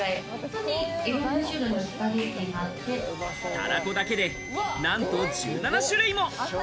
たらこだけで、なんと１７種類も！